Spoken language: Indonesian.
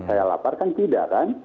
saya lapar kan tidak kan